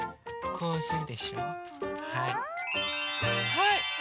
はい。